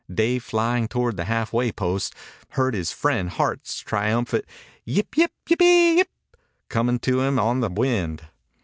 Dave, flying toward the halfway post, heard his friend Hart's triumphant "Yip yip yippy yip!" coming to him on the wind.